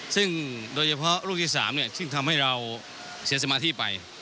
ซึ่งโดยเฉพาะลูกที่๓ซึ่งทำให้เราเสียสมาธิไป